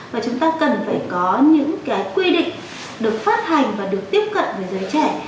và chúng ta cần phải có những cái quy định được phát hành và được tiếp cận với giới trẻ